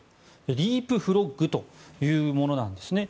リープフロッグというものなんですね。